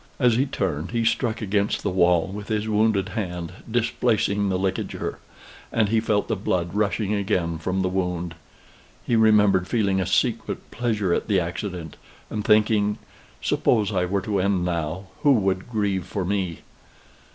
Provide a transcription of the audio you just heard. As he turned he struck against the wall with his wounded hand, displacing the ligature; and he felt the blood rushing again from the wound. He remembered feeling a secret pleasure at the accident and thinking, "Suppose I were to end now, who would grieve for me?"